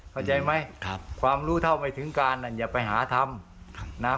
เข้าใจไหมความรู้เท่าไม่ถึงการอย่าไปหาทำนะ